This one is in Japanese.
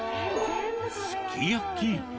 すき焼き。